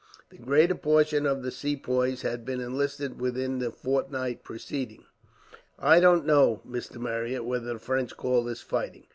The greater portion of the Sepoys had been enlisted within the fortnight preceding. "I don't know, Mr. Marryat, whether the French call this fighting.